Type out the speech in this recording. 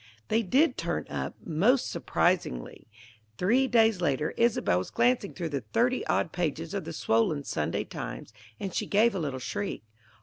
They did turn up, most surprisingly. Three days later, Isobel was glancing through the thirty odd pages of the swollen Sunday Times, and she gave a little shriek.